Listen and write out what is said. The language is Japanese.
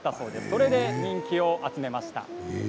それで人気を集めました。